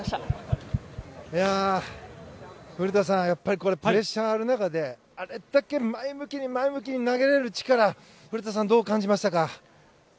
古田さん、プレッシャーある中であれだけ前向きに前向きに投げれる力をどう感じましたか？